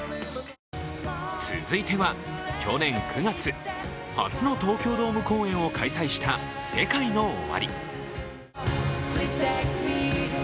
続いては、去年９月、初の東京ドーム公演を開催したＳＥＫＡＩＮＯＯＷＡＲＩ。